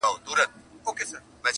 شمعي ته څه مه وایه!!